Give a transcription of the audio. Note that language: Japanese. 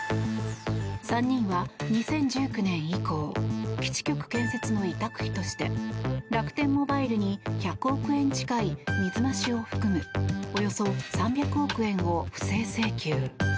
３人は２０１９年以降基地局建設の委託費として楽天モバイルに１００億円近い水増しを含むおよそ３００億円を不正請求。